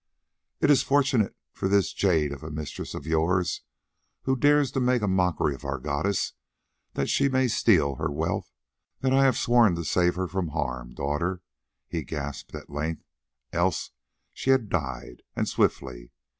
"It is fortunate for this jade of a mistress of yours, who dares to make a mockery of our goddess that she may steal her wealth, that I have sworn to save her from harm, daughter," he gasped at length, "else she had died, and swiftly.